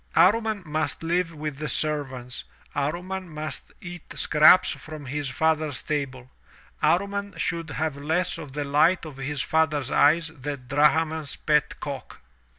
Amman must live with the servants, Amman must eat scraps from his father's table, Amman should have less of the light of his father's eyes than Drahman's pet cock!